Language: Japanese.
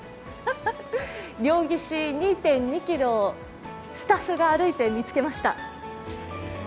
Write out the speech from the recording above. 両岸２．２ｋｍ、スタッフが歩いて見つけました。